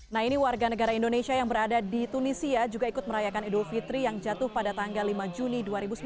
nah ini warga negara indonesia yang berada di tunisia juga ikut merayakan idul fitri yang jatuh pada tanggal lima juni dua ribu sembilan belas